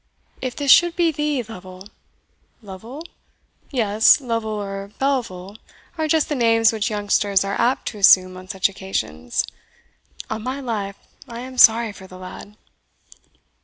If this should be thee, Lovel! Lovel? yes, Lovel or Belville are just the names which youngsters are apt to assume on such occasions on my life, I am sorry for the lad."